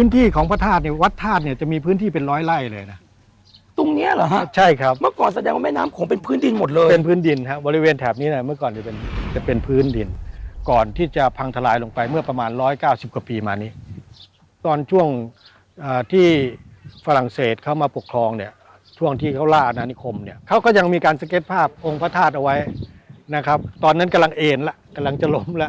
ตอนนั้นกำลังเอ่นละกำลังจะลมละ